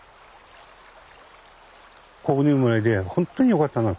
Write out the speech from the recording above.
ここに生まれてほんとによかったな。